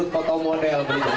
lihat bagaimana ia dimaksudkan